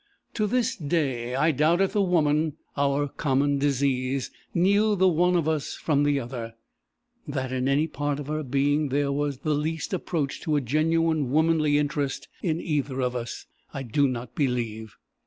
"To this day I doubt if the woman, our common disease, knew the one of us from the other. That in any part of her being there was the least approach to a genuine womanly interest in either of us, I do not believe.